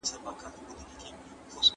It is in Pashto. ايا رښتيني نېکمرغي په مادي شتمنۍ کي ده؟